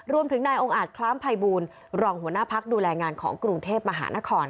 รวมถึงนายองค์อาจคล้ามภัยบูลรองหัวหน้าพักดูแลงานของกรุงเทพมหานคร